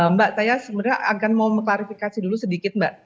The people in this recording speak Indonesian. mbak saya sebenarnya akan mau mengklarifikasi dulu sedikit mbak